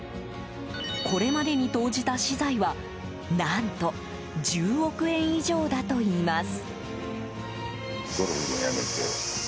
これまでに投じた私財は何と１０億円以上だといいます。